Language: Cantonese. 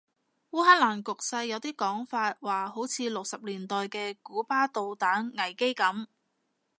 烏克蘭局勢有啲講法話好似六十年代嘅古巴導彈危機噉